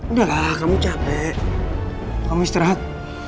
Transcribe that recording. nggak ada yang bisa dibahas